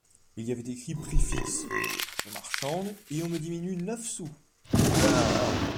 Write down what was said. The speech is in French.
Il y avait écrit : "Prix fixe…" Je marchande… et on me diminue neuf sous !…